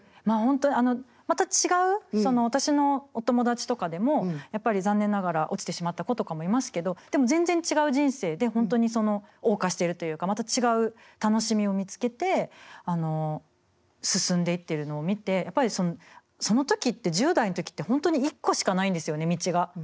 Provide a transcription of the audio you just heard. まあ本当にまた違う私のお友達とかでもやっぱり残念ながら落ちてしまった子とかもいますけどでも全然違う人生で本当にそのおう歌しているというかまた違う楽しみを見つけて進んでいってるのを見てやっぱりその時って１０代の時って本当に１個しかないんですよね道が。